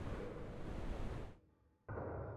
আমি আগে জানতাম না, সে এখন ঐ জন্য গ্রাহক সংগ্রহ করছে।